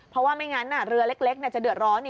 เพราะว่าไม่งั้นเรือเล็กจะเดือดร้อน